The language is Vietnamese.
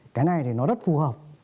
cái này thì nó rất phù hợp